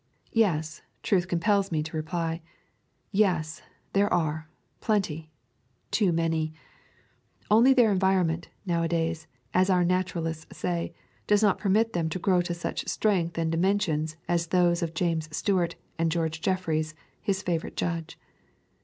Yes, truth compels me to reply. Yes, there are, plenty, too many. Only their environment, nowadays, as our naturalists say, does not permit them to grow to such strength and dimensions as those of James Stuart, and George Jeffreys, his favourite judge.